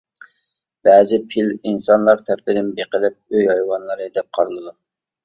بەزى پىل ئىنسانلار تەرىپىدىن بېقىلىپ ئۆي ھايۋانلىرى دەپ قارىلىدۇ.